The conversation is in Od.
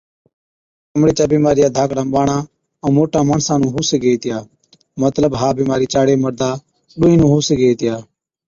چمڙي چِيا بِيمارِيا ڌاڪڙان ٻاڙان ائُون موٽان ماڻسان نُون هُو سِگھَي هِتِيا (مطلب ها بِيمارِي چاڙي مردا ڏُونهِين نُون هُو سِگھَي هِتِيا)